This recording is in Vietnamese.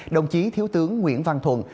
đồng chí thiếu tướng nguyễn văn thuận